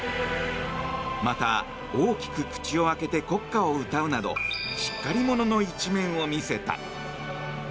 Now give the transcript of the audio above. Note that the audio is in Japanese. また、大きく口を開けて国歌を歌うなどしっかり者の一面を見せた。